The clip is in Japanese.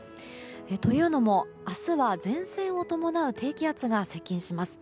というのも明日は前線を伴う低気圧が接近します。